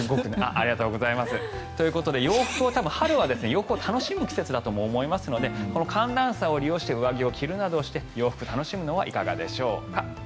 春は洋服を楽しむ季節だと思いますので寒暖差を利用して上着を着るなどして洋服を楽しむのはいかがでしょうか。